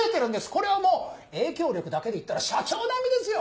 これはもう影響力だけでいったら社長並みですよ？